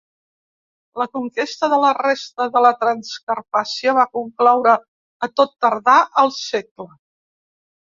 La conquesta de la resta de la Transcarpàcia va concloure a tot tardar al segle.